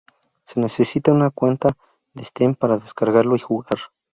Se necesita una cuenta de Steam para descargarlo y jugar.